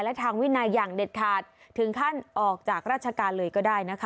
และทางวินัยอย่างเด็ดขาดถึงขั้นออกจากราชการเลยก็ได้นะคะ